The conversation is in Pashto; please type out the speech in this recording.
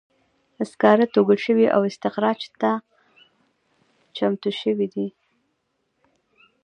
سکاره توږل شوي او استخراج ته چمتو شوي دي.